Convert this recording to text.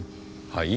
はい？